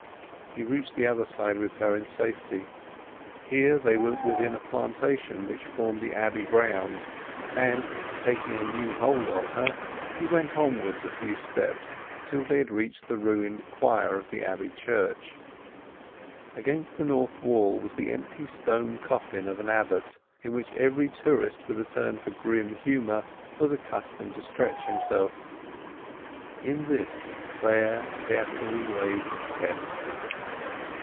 He reached the other side with her in safety. Here they were within a plantation which formed the Abbey grounds, and taking a new hold of her he went onward a few steps till they reached the ruined choir of the Abbey church. Against the north wall was the empty stone coffin of an abbot, in which every tourist with a turn for grim humour was accustomed to stretch himself. In this Clare carefully laid Tess.